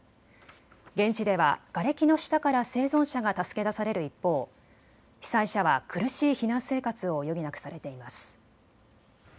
現地ではがれきの下から生存者が助け出される一方、被災者は苦しい避難生活を余儀なくされています。